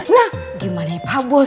nah gimana ya pak bos